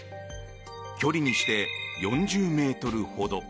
距離にして４０ｍほど。